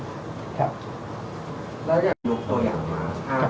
แล้วก็ลุกตัวอย่างมา๕เก้าอย่างเนี่ยครับ